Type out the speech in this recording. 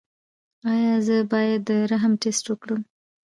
ایا زه باید د رحم ټسټ وکړم؟